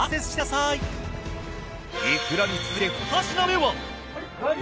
いくらに続いて２品目は？